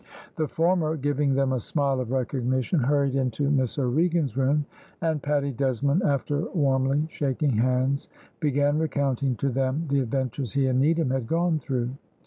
The former giving them a smile of recognition, hurried into Miss O'Regan's room, and Paddy Desmond, after warmly shaking hands, began recounting to them the adventures he and Needham had gone through.